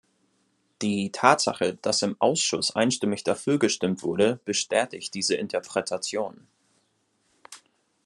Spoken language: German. Die Tatsache, dass im Ausschuss einstimmig dafür gestimmt wurde, bestätigt diese Interpretation.